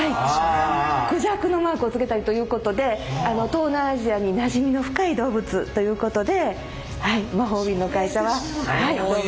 クジャクのマークをつけたりということで東南アジアになじみの深い動物ということで魔法瓶の会社は動物の名前が付いております。